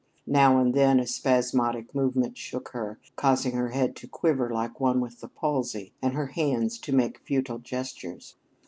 Now and then a spasmodic movement shook her, causing her head to quiver like one with the palsy and her hands to make futile gestures.